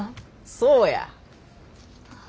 そうや。